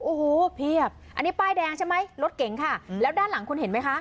โอ้โหเพียบอันนี้ป้ายแดงใช่ไหมรถเก๋งค่ะแล้วด้านหลังคุณเห็นไหมคะ